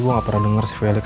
gue gak pernah denger si felix